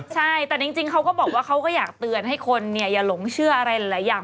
ใช่แต่จริงเขาก็บอกว่าเขาก็อยากเตือนให้คนอย่าหลงเชื่ออะไรหลายอย่าง